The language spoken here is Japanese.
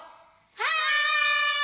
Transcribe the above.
はい！